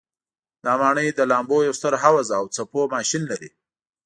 دا ماڼۍ د لامبو یو ستر حوض او څپو ماشین لري.